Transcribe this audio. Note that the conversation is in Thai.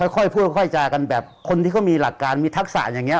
ค่อยพูดค่อยจากันแบบคนที่เขามีหลักการมีทักษะอย่างนี้